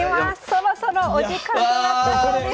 そろそろお時間となったそうです。